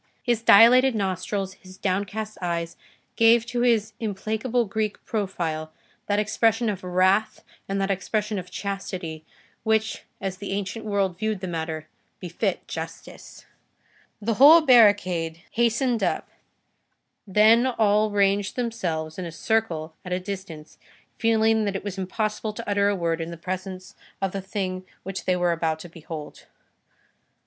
His dilated nostrils, his downcast eyes, gave to his implacable Greek profile that expression of wrath and that expression of Chastity which, as the ancient world viewed the matter, befit Justice. The whole barricade hastened up, then all ranged themselves in a circle at a distance, feeling that it was impossible to utter a word in the presence of the thing which they were about to behold.